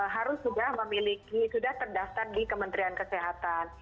harus sudah memiliki sudah terdaftar di kementerian kesehatan